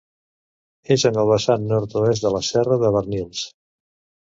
És en el vessant nord-oest de la Serra de Barnils.